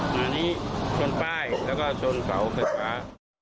มานี้ชนป้ายแล้วก็ชนเสาไฟฟ้า